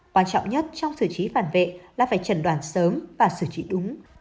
quan trọng nhất trong xử trí phản vệ là phải trần đoàn sớm và xử trí đúng